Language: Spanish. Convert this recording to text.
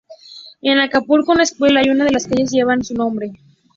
En Acapulco, una escuela y una de las calles llevan su nombre.